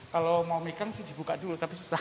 kalau mau weekend sih dibuka dulu tapi susah